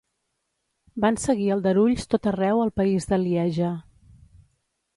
Van seguir aldarulls tot arreu el país de Lieja.